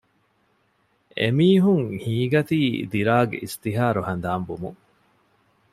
އެމީހުން ހީނގަތީ ދިރާގް އިސްތިހާރު ހަނދާން ވުމުން